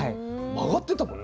曲がってたもん